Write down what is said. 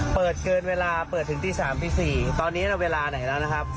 เปิดเกินเวลาเปิดถึงตี๓ตี๔ตอนนี้เวลาไหนแล้วนะครับ